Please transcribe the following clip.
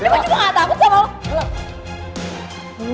gue juga gak takut sama lo